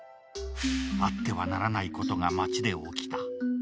あってはならないことが町で起きた。